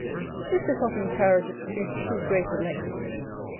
This is often carried to too great a length.